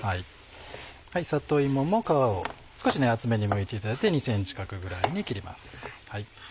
里芋も皮を少し厚めにむいていただいて２ｃｍ角ぐらいに切ります。